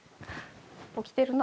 起きてるな。